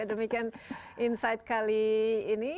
demikian insight kali ini